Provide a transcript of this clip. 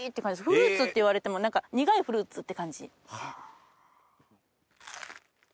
フルーツっていわれても苦いフルーツって感じ。